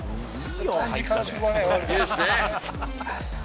いいですね。